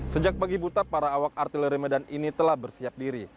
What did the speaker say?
sejak pagi buta para awak artileri medan ini telah bersiap diri